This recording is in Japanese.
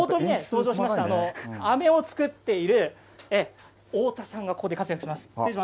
あめを作っている太田さんがここで活躍します。